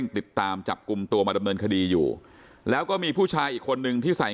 ติดตามจับกลุ่มตัวมาดำเนินคดีอยู่แล้วก็มีผู้ชายอีกคนนึงที่ใส่